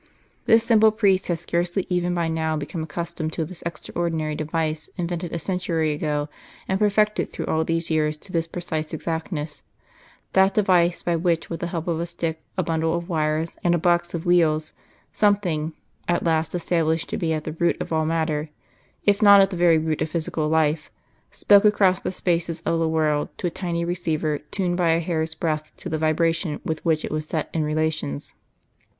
This simple priest had scarcely even by now become accustomed to this extraordinary device invented a century ago and perfected through all those years to this precise exactness that device by which with the help of a stick, a bundle of wires, and a box of wheels, something, at last established to be at the root of all matter, if not at the very root of physical life, spoke across the spaces of the world to a tiny receiver tuned by a hair's breadth to the vibration with which it was set in relations.